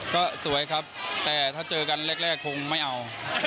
ก็สวยครับแต่ถ้าเจอกันแรกคงไม่เอา